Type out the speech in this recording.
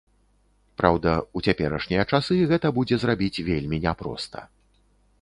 Праўда, у цяперашнія часы гэта будзе зрабіць вельмі няпроста.